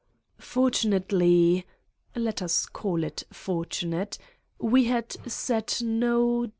Fortunately (let us call it ' fortunate') we had set no